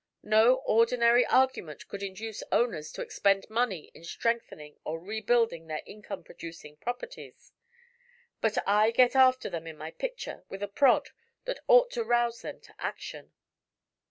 No ordinary argument could induce owners to expend money in strengthening or rebuilding their income producing properties. But I get after them in my picture with a prod that ought to rouse them to action.